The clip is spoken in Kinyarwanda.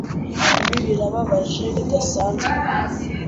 Ibi birababaje bidasanzwe.